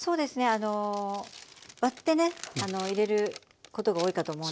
あの割ってね入れることが多いかと思うんですけど。